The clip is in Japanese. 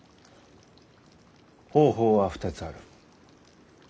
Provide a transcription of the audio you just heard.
方法は２つある。